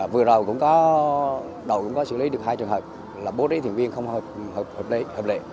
vừa rồi cũng có đầu cũng có xử lý được hai trường hợp là bố đế thuyền viên không hợp lệ hợp lệ